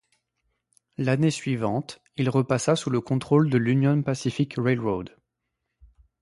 L'année suivante, il repassa sous le contrôle de l'Union Pacific Railroad.